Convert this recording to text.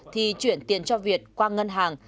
thì chuyển tiền cho việt qua ngân hàng